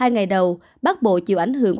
hai ngày đầu bắc bộ chịu ảnh hưởng